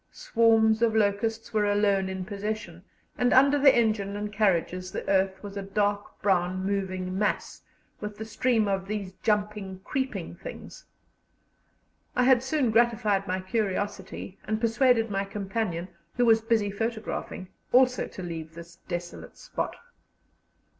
Swarms of locusts were alone in possession, and under the engine and carriages the earth was a dark brown moving mass, with the stream of these jumping, creeping things. I had soon gratified my curiosity, and persuaded my companion, who was busy photographing, also to leave this desolate spot.